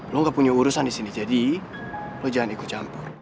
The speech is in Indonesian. lo gak punya urusan di sini jadi lo jangan ikut campur